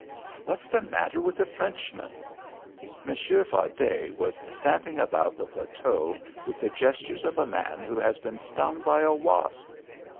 What's the matter with the Frenchman?" Monsieur Fardet was stamping about the plateau with the gestures of a man who has been stung by a wasp.